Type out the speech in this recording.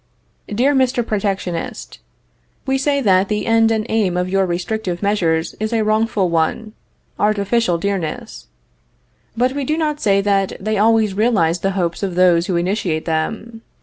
MY DEAR PROTECTIONIST: We say that the end and aim of your restrictive measures is a wrongful one artificial dearness. But we do not say that they always realize the hopes of those who initiate them.